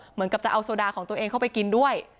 เหมือนกับจะเอาโซดาของตัวเองเข้าไปกินด้วย